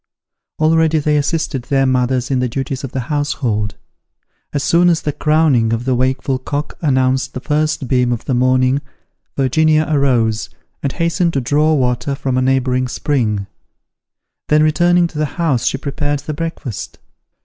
Already they assisted their mothers in the duties of the household. As soon as the crowing of the wakeful cock announced the first beam of the morning, Virginia arose, and hastened to draw water from a neighbouring spring: then returning to the house she prepared the breakfast.